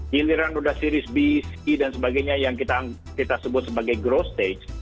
giliran sudah series b c dan sebagainya yang kita sebut sebagai growth stage